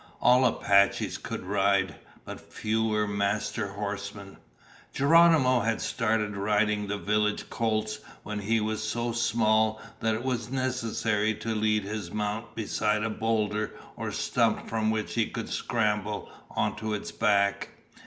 All Apaches could ride, but few were master horsemen. Geronimo had started riding the village colts when he was so small that it was necessary to lead his mount beside a boulder or stump from which he could scramble onto its back.